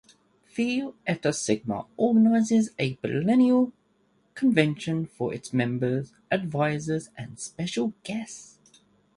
Phi Eta Sigma organizes a biennial convention for its members, advisers, and special guests.